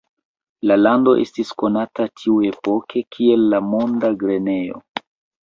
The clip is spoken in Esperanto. La lando estis konata tiuepoke kiel la "monda grenejo".